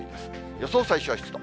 予想最小湿度。